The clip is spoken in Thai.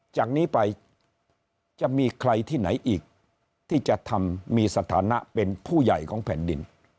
จากนี้ไปจะมีใครที่ไหนอีกที่จะทำมีสถานะเป็นผู้ใหญ่ของแผ่นดิน